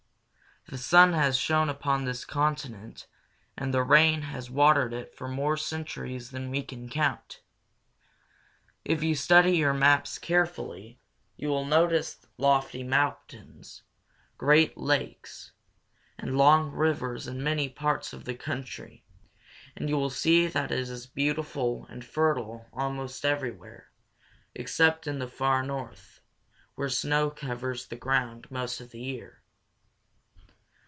The sun has shone upon this continent and the rain has watered it for more centuries than we can count. If you study your maps carefully, you will notice lofty mountains, great lakes, and long rivers in many parts of the country; and you will see that it is beautiful and fertile almost everywhere, except in the far north, where snow covers the ground most of the year.